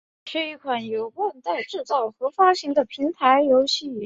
是一款由万代制作和发行的平台游戏。